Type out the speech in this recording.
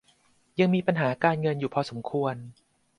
ยังมีปัญหาการเงินอยู่พอสมควร